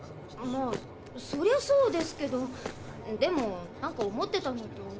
まあそりゃそうですけどでもなんか思ってたのと。